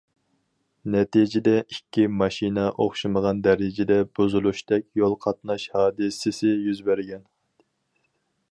نەتىجىدە ئىككى ماشىنا ئوخشىمىغان دەرىجىدە بۇزۇلۇشتەك يول قاتناش ھادىسىسى يۈز بەرگەن.